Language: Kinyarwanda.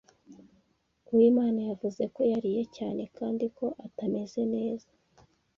Uwimana yavuze ko yariye cyane kandi ko atameze neza.